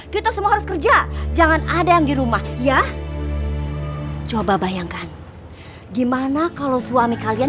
kita semua harus kerja jangan ada yang di rumah ya coba bayangkan gimana kalau suami kalian